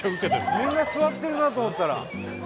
みんな座ってるなと思ったら。